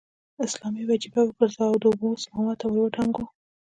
اسلامي وجیبه وګرځو او د اوبو سپما ته ور ودانګو.